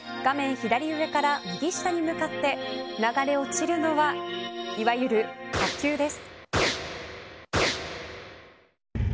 左上から右下に向かって流れ落ちるのはいわゆる火球です。